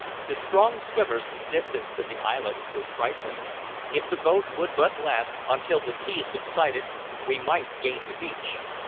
To strong swimmers the distance to the islet was trifling; if the boat would but last until the sea subsided, we might gain the beach.